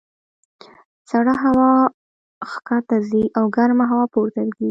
سړه هوا ښکته ځي او ګرمه هوا پورته کېږي.